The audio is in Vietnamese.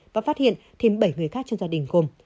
và phát hiện thêm bảy người khác trong gia đình gồm